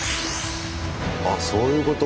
あそういうこと？